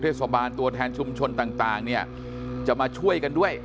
โดยกุฤษบาลตัวแทนชุมชนต่างจะมาช่วยกันด้วย